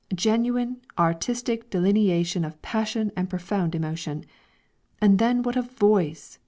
Genuine, artistic delineation of passion and profound emotion. And then what a voice!